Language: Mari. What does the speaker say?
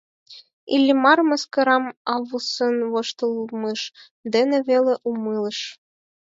Иллимар мыскарам Аввусын воштылмыж дене веле умылыш.